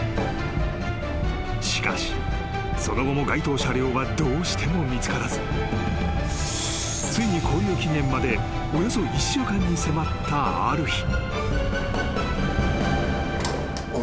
［しかしその後も該当車両はどうしても見つからずついに勾留期限までおよそ１週間に迫ったある日］